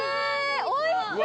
おいしそう！